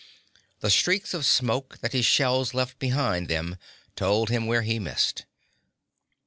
The streaks of smoke that his shells left behind them told him where he missed.